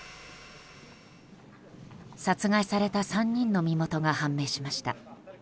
殺害された３人の身元が判明しました。